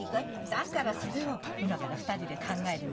だからそれを今から２人で考えるんです。